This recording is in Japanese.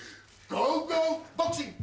ゴーゴーボクシング！